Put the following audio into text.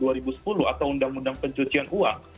atau undang undang pencucian uang